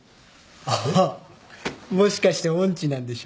あっもしかして音痴なんでしょ？